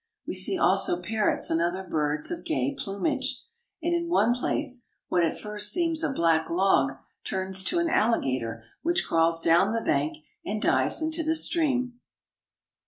We see also parrots and other birds of gay plumage, and in one place what at first seems a black log turns to an alligator which crawls down the bank and dives into the stream.